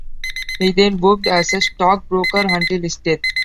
He then worked as a stock broker until his death.